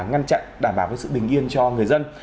ngăn chặn đảm bảo sự bình yên cho người dân